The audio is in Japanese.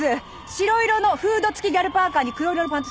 白色のフード付きギャルパーカに黒色のパンツ姿。